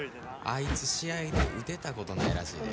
あいつ試合で打てたことないらしいで